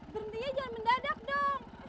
berhentinya jangan mendadak dong